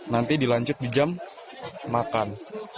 nanti dilanjut di jam makan